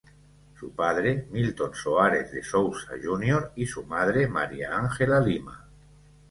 Su Padre, Milton Soares de Souza Junior, y su madre, María Ángela Lima.